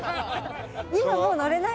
今もう乗れないかも。